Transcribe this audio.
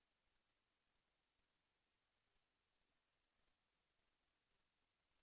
แสวได้ไงของเราก็เชียนนักอยู่ค่ะเป็นผู้ร่วมงานที่ดีมาก